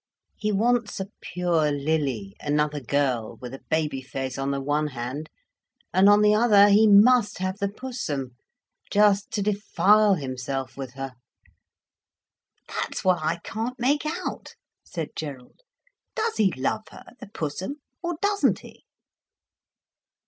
He wants a pure lily, another girl, with a baby face, on the one hand, and on the other, he must have the Pussum, just to defile himself with her." "That's what I can't make out," said Gerald. "Does he love her, the Pussum, or doesn't he?"